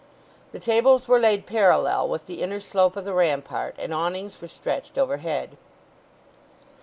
The tables were laid parallel with the inner slope of the rampart, and awnings were stretched overhead.